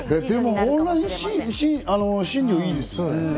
でも、オンライン診療、いいですよね。